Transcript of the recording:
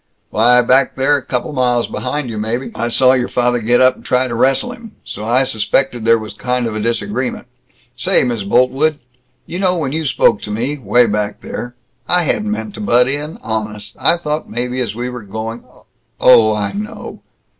"Why back there, couple miles behind you, maybe I saw your father get up and try to wrestle him, so I suspected there was kind of a disagreement. Say, Miss Boltwood, you know when you spoke to me way back there I hadn't meant to butt in. Honest. I thought maybe as we were going " "Oh, I know!"